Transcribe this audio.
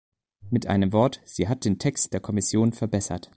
Mit einem Wort, sie hat den Text der Kommission verbessert.